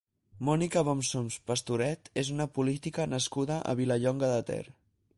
Mònica Bonsoms Pastoret és una política nascuda a Vilallonga de Ter.